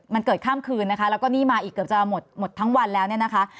มันเกิดคั่มคืนนี่มาอีกเกือบจะหมดเท้าวันแล้วนะคะ